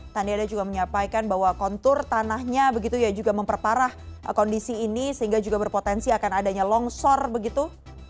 tadi ada juga menyampaikan bahwa kontur tanahnya begitu ya juga memperparah kondisi ini sehingga juga berpotensi akan adanya longsor begitu